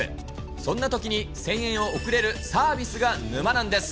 そんなときに声援を送れるサービスが沼なんです。